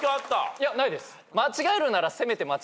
いやないです。